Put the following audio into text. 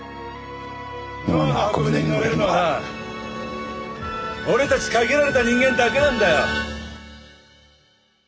ノアの箱舟に乗れるのは俺たち限られた人間だけなんだよ。